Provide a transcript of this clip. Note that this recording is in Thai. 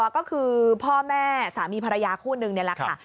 ก็คือพ่อแม่สามีภรรยาคู่นึงนี่แหละค่ะ